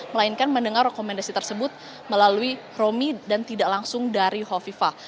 melainkan mendengar rekomendasi tersebut melalui romi dan tidak langsung dari hovifah